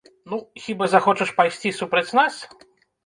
Ну, хіба захочаш пайсці супраць нас?